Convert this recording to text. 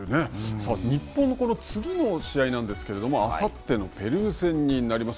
さあ、日本の次の試合なんですけれども、あさってのペルー戦になります。